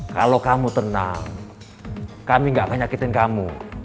kalau kamu tenang kami gak akan nyakitin kamu